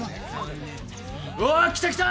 おお来た来た！